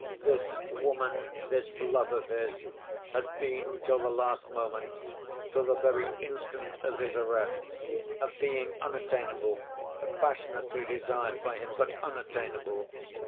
This woman, this love of his, had been till the last moment, till the very instant of his arrest, a being unattainable, passionately desired by him but unattainable.